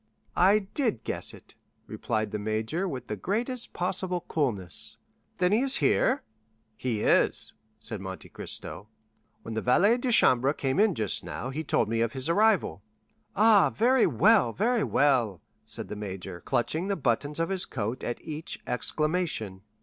"I did guess it," replied the major with the greatest possible coolness. "Then he is here?" "He is," said Monte Cristo; "when the valet de chambre came in just now, he told me of his arrival." "Ah, very well, very well," said the major, clutching the buttons of his coat at each exclamation.